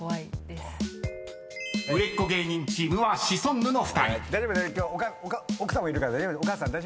［売れっ子芸人チームはシソンヌの２人］今日は奥さんもいるからお母さん大丈夫だよね？